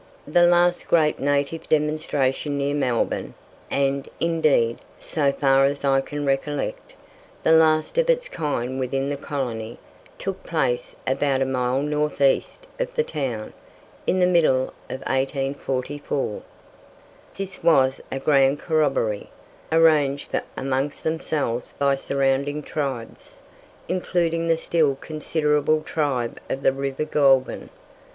The last great native demonstration near Melbourne, and, indeed, so far as I can recollect, the last of its kind within the colony, took place about a mile north east of the town, in the middle of 1844. This was a grand corrobboree, arranged for amongst themselves by surrounding tribes, including the still considerable tribe of the River Goulburn.